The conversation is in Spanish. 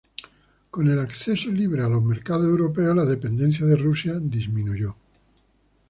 Con el acceso libre a los mercados europeos la dependencia de Rusia disminuyó.